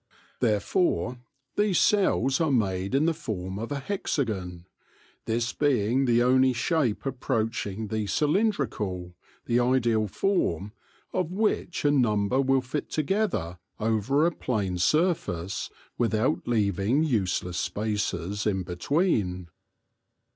Therefore these cells are made in the form of a hexagon, this being the only shape approaching the cylindrical — the ideal form — of which a number will fit together over a plane surface without leaving useless spaces in between.